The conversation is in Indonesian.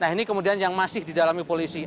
nah ini kemudian yang masih di dalam hipotesis